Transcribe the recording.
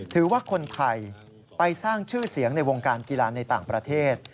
ถือว่าคนไทยไปสร้างชื่อเสียงในวงการกีฬาในต่างประเทศ